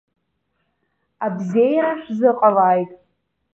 Абзеиара шәзыҟалааит!